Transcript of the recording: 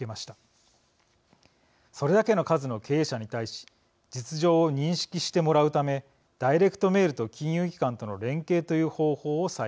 それだけの数の経営者に対し実情を認識してもらうためダイレクトメールと金融機関との連携という方法を採用しています。